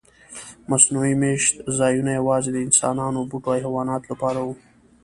مصنوعي میشت ځایونه یواځې د انسانانو، بوټو او حیواناتو لپاره وو.